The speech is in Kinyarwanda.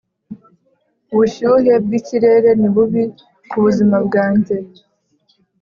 ubushyuhe bwikirere ni bubi kubuzima bwanjye